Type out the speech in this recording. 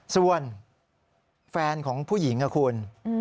ส่วนแฟนของผู้หญิงนะคุณ